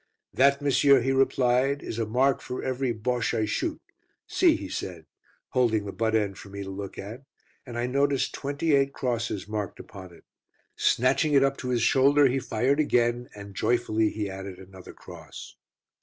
"That, monsieur," he replied, "is a mark for every Bosche I shoot. See," he said, holding the butt end for me to look at, and I noticed twenty eight crosses marked upon it. Snatching it up to his shoulder he fired again, and joyfully he added another cross.